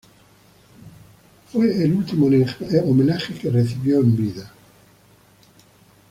Fue el último homenaje que recibió en vida.